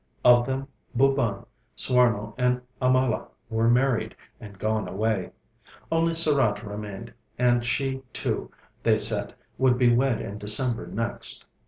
Of them, Bhuban, Swarno, and Amala were married, and gone away; only Sarat remained, and she too, they said, would be wed in December next.